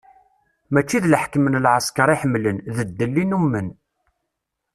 Mačči d leḥkem n lɛesker i ḥemmlen, d ddel i nnumen.